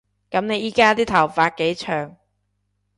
噉你而家啲頭髮幾長